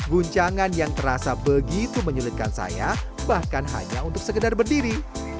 guncangan yang terasa begitu menyulitkan saya bahkan hanya untuk sekedar berdiri